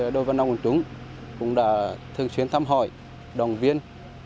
đội văn đồng của chúng cũng đã thường xuyên thăm hỏi đồng viên